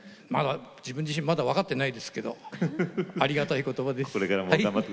自分自身まだ分かっていないですけどありがたい言葉です。